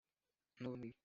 N’uba muri we